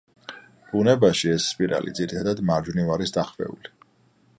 ბუნებაში ეს სპირალი ძირითადად მარჯვნივ არის დახვეული.